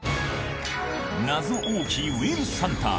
謎多きウイルスハンター。